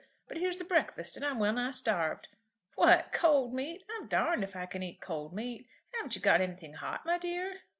But here's the breakfast, and I'm well nigh starved. What, cold meat! I'm darned if I can eat cold meat. Haven't you got anything hot, my dear?"